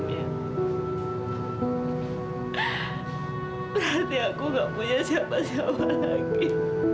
hati aku gak punya siapa siapa lagi